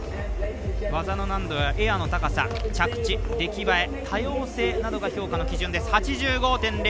技の難度やエアの高さ着地、出来栄え、多様性などが評価の基準です。